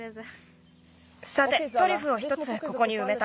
さてトリュフを１つここにうめた。